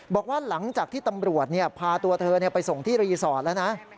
บอกว่าหลังจากที่ตำรวจพาตัวเธอไปส่งที่รีสอร์ทแล้วนะ